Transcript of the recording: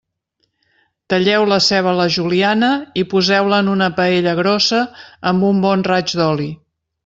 Talleu la ceba a la juliana i poseu-la en una paella grossa amb un bon raig d'oli.